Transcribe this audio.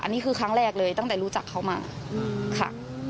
อันนี้คือครั้งแรกเลยตั้งแต่รู้จักเขามาค่ะ